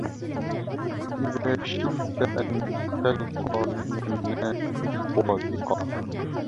إذا شئت أن تلقى من الناس صادقا